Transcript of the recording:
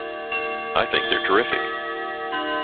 I think they're terrific.